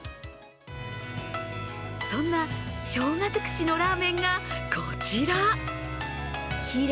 そんなしょうが尽くしのラーメンがこちら。